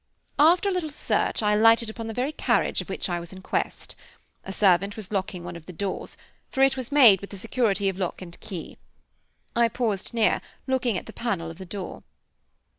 After a little search I lighted upon the very carriage of which I was in quest. A servant was locking one of the doors, for it was made with the security of lock and key. I paused near, looking at the panel of the door.